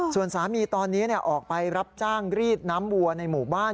ส่วนสามีตอนนี้ออกไปรับจ้างรีดน้ำวัวในหมู่บ้าน